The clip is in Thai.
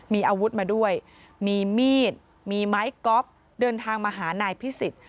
มีอาวุธมาด้วยมีมีดมีไม้ก๊อฟเดินทางมาหานายพิสิทธิ